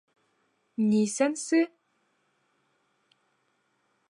— Нисәнсе...